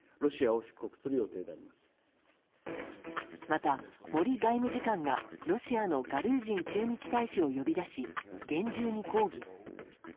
また、森外務次官がロシアのガルージン駐日大使を呼び出し、厳重に抗議。